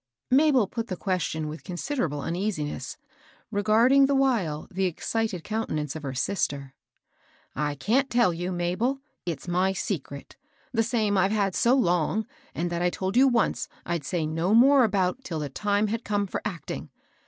" Mabel put th^question with considerable uneasi ness, regarding the while the excited countenance of her sister. "I can't tell you, Mabel ; it's my secret, — the same I've had so long, and that I told you once I'd say no more about till the time had come for act ing.